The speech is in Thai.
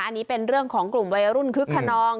อันนี้เป็นเรื่องของกลุ่มวัยรุ่นคึกขนอง